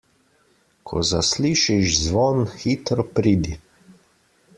Ko zaslišiš zvon, hitro pridi.